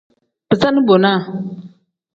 Bisaani bonaa.